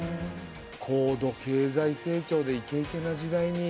高度経済成長でイケイケな時代に。